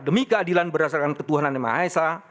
demi keadilan berdasarkan ketuhanan yang maha esa